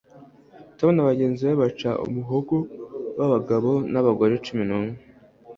Tom na bagenzi be baca umuhogo wabagabo nabagore cumi numwe